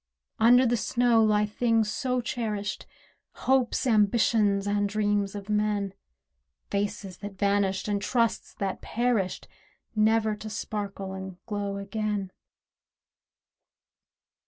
Under the snow lie things so cherished— Hopes, ambitions, and dreams of men— Faces that vanished, and trusts that perished, Never to sparkle and glow again.